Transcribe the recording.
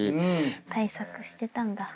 対策してたんだ。